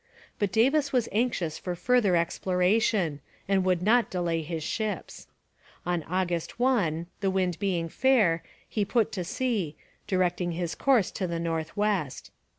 But Davis was anxious for further exploration, and would not delay his ships. On August 1, the wind being fair, he put to sea, directing his course to the north west.